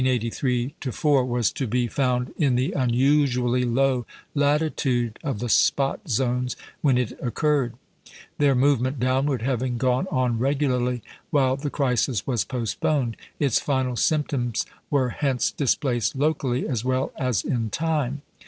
Curious evidence of the retarded character of the maximum of 1883 4 was to be found in the unusually low latitude of the spot zones when it occurred. Their movement downward having gone on regularly while the crisis was postponed, its final symptoms were hence displaced locally as well as in time.